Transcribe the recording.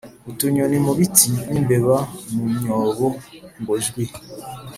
Utunyoni mu biti n'imbeba mu myobo ngo jwi